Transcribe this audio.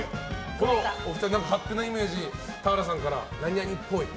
このお二人、勝手なイメージ田原さんから何々っぽい。